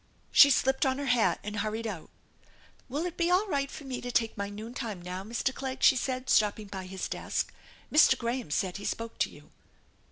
She slipped on her hat and hurried out. "Will it be all right for me to take my noontime now, Mr. Clegg ?" she said, stopping by his desk. " Mr. Graham said he spoke to you."